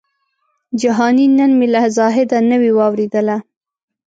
جهاني نن مي له زاهده نوې واورېدله